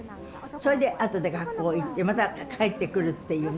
それで後で学校へ行ってまた帰ってくるっていうね